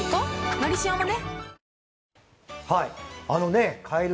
「のりしお」もね